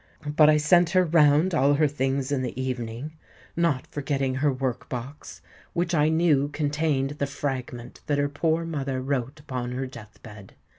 But I sent her round all her things in the evening—not forgetting her work box, which I knew contained the fragment that her poor mother wrote upon her death bed.